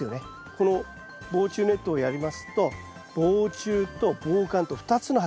この防虫ネットをやりますと防虫と防寒と２つの働きがあります。